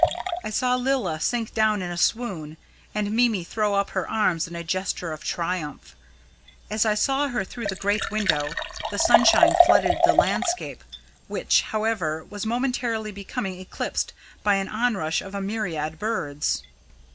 I saw Lilla sink down in a swoon, and Mimi throw up her arms in a gesture of triumph. As I saw her through the great window, the sunshine flooded the landscape, which, however, was momentarily becoming eclipsed by an onrush of a myriad birds."